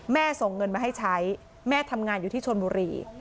ส่งเงินมาให้ใช้แม่ทำงานอยู่ที่ชนบุรี